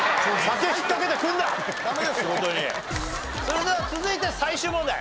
それでは続いて最終問題。